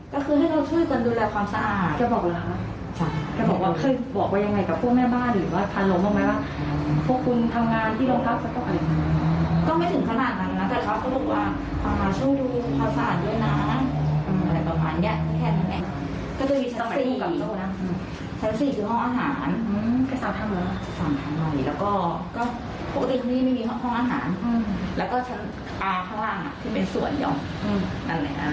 อ๋อก็ปกติพวกนี้ไม่มีห้องอาหารและก็เช้าอาข้างล่างคือเป็นส่วนอย่างนั้นไหม